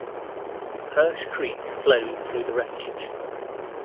Perche Creek flows through the refuge.